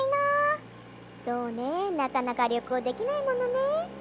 そうねなかなかりょこうできないものね。